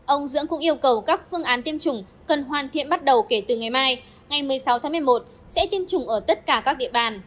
ông dưỡng cũng yêu cầu các phương án tiêm chủng cần hoàn thiện bắt đầu kể từ ngày mai sẽ tiêm chủng ở tất cả các địa bàn